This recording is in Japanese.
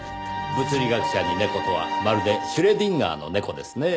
物理学者に猫とはまるでシュレディンガーの猫ですねぇ。